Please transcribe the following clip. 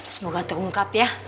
semoga terungkap ya